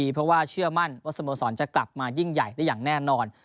เพราะว่าเชื่อมั่นว่าสโมสรจะกลับมายิ่งใหญ่ได้อย่างแน่นอน